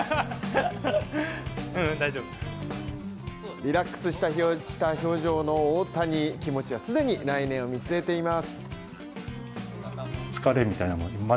リラックスした表情の大谷気持ちは既に来年を見据えています。